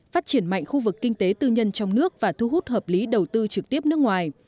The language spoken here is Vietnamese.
phát triển mạnh khu vực kinh tế tư nhân trong nước và thu hút hợp lý đầu tư trực tiếp nước ngoài